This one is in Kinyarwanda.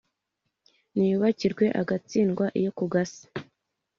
ntiyubakirwe agatsindwa iyo ku gasi.